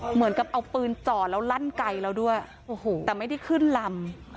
เหมือนกับเอาปืนจ่อแล้วลั่นไกลเราด้วยโอ้โหแต่ไม่ได้ขึ้นลำ